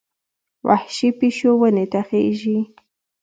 وحشي پیشو ونې ته خېژي.